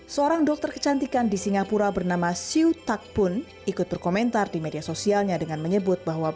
seorang dokter kecantikan di singapura bernama siu tak pun ikut berkomentar di media sosialnya dengan menyebut bahwa